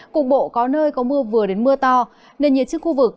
cục bộ có nơi có mưa vừa đến mưa to nền nhiệt trên khu vực